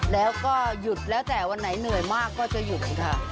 แล้วก็หยุดแล้วแต่วันไหนเหนื่อยมากก็จะหยุดค่ะ